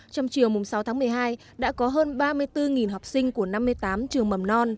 trong chiều sáu tháng một mươi hai đã có hơn ba mươi bốn học sinh của năm mươi tám trường mầm non